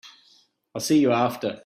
I'll see you after.